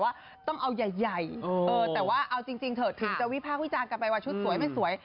ว่าต้องเอาใหญ่แต่ว่าเอาจริงเถอะถึงจะวิพากษ์วิจารณ์กันไปว่าชุดสวยไม่สวย